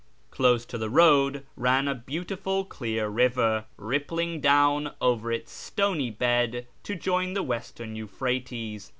Close to the road ran a beautiful clear river, rippling down over its stony bed to join the Western Euphrates.